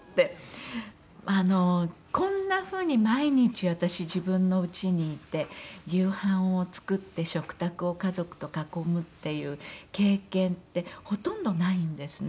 こんな風に毎日私自分のうちにいて夕飯を作って食卓を家族と囲むっていう経験ってほとんどないんですね